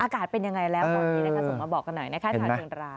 เป็นยังไงแล้วตอนนี้นะคะส่งมาบอกกันหน่อยนะคะชาวเชียงราย